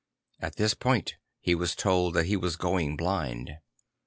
At this point he was told that he was going blind.